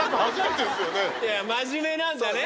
真面目なんだね。